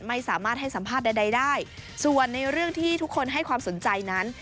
ไม่สามารถให้สัมภาษณ์ใดได้ส่วนในเรื่องที่ทุกคนให้ความสนใจนั้น